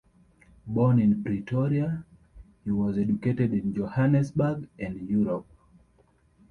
Born in Pretoria, he was educated in Johannesburg and Europe.